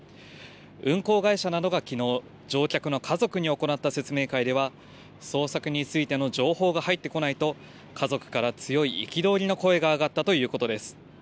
運航会社などがきのう、乗客の家族に行った説明会では、捜索についての情報が入ってこないと、家族から強い憤りの声が上がったということです。